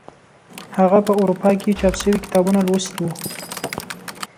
هغه په اروپا کې چاپ شوي کتابونه لوستي وو.